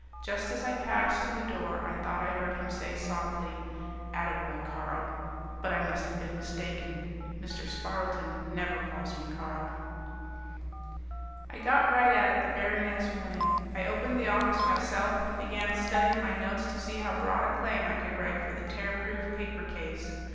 Just as I passed through the door I thought I heard him say softly, "Attaboy, Carl," but I must have been mistaken. Mr. Spardleton never calls me Carl. I got right at it the very next morning. I opened the office myself and began studying my notes to see how broad a claim I could write for the Tearproof Paper Case.